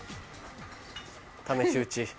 試し打ち。